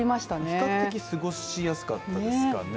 比較的、過ごしやすかったですかね。